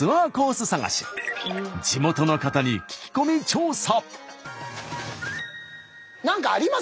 地元の方に聞き込み調査。